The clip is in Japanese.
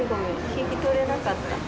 聞き取れなかった。